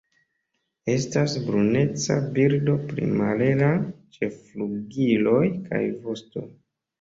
Estas bruneca birdo pli malhela ĉe flugiloj kaj vosto.